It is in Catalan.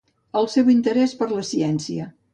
El seu interès per la ciència.